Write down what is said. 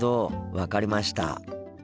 分かりました。